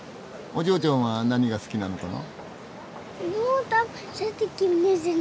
お嬢ちゃんは何が好きなのかな？